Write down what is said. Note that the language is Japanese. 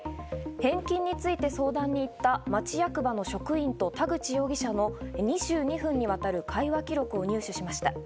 返金について相談に行った町役場の職員と田口容疑者の２２分にわたる会話記録を入手しました。